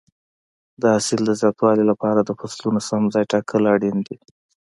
د حاصل د زیاتوالي لپاره د فصلونو سم ځای ټاکل اړین دي.